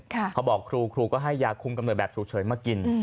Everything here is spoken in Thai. เขาบอกครูก็ให้ยาคุมกำเนิดแบบฉุกเฉินมากิน